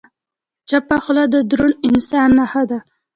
چپه خوله، د دروند انسان نښه ده.